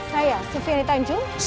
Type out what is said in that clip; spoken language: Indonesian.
saya sufriani tanjung